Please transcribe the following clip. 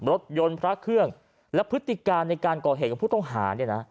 รถยนต์พระเครื่องและพฤติการในการก่อเหตุของผู้ต้องหาเนี่ยนะ